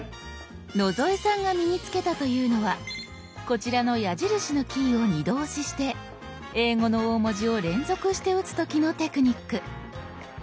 野添さんが身に付けたというのはこちらの矢印のキーを二度押しして英語の大文字を連続して打つ時のテクニック。